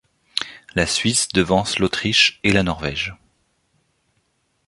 La Suisse devance l'Autriche et la Norvège.